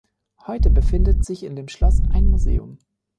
Heute befindet sich in dem Schloss ein Museum.